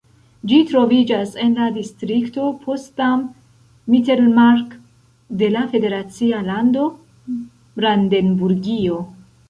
Ĝi troviĝas en la distrikto Potsdam-Mittelmark de la federacia lando Brandenburgio.